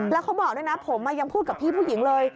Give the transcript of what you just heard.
แล้วเขาบอกด้วยนะผมยังพูดกับพี่ผู้หญิงเลย